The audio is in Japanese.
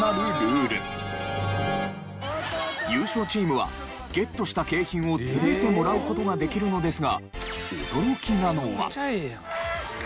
優勝チームはゲットした景品を全てもらう事ができるのですが。